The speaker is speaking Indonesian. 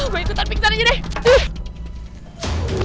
gue ikutan pingsan aja nek